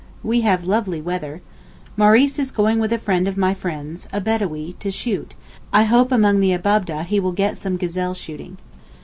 We have lovely weather. Maurice is going with a friend of my friends, a Bedawee, to shoot, I hope among the Abab'deh he will get some gazelle shooting.